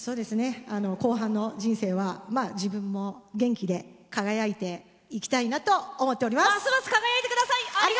後半の人生は自分も元気で輝いていきたいなと思っております。